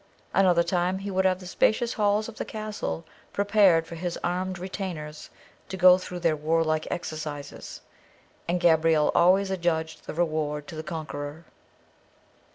Another time he would have the spacious halls of the castle prepared for his armed retainers to go through their warlike exercises, and Gabrielle always adjudged the reward to the conqueror.